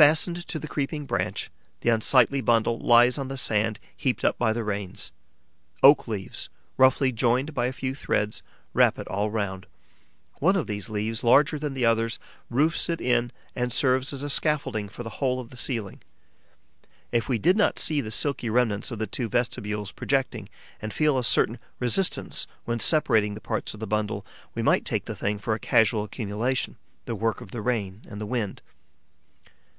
Fastened to the creeping branch, the unsightly bundle lies on the sand heaped up by the rains. Oak leaves, roughly joined by a few threads, wrap it all round. One of these leaves, larger than the others, roofs it in and serves as a scaffolding for the whole of the ceiling. If we did not see the silky remnants of the two vestibules projecting and feel a certain resistance when separating the parts of the bundle, we might take the thing for a casual accumulation, the work of the rain and the wind.